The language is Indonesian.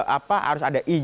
apa harus ada ijazah